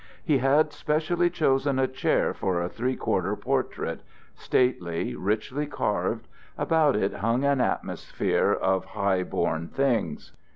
He had specially chosen a chair for a three quarter portrait, stately, richly carved; about it hung an atmosphere of high born things.